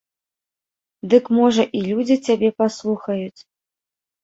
Дык, можа, і людзі цябе паслухаюць.